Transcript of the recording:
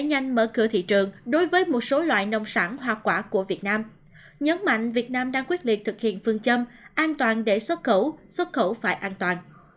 nhấn mạnh việt nam đang quyết liệt thực hiện phương châm an toàn để xuất khẩu xuất khẩu phải an toàn